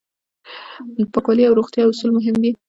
د پاکوالي او روغتیا اصول مهم دي.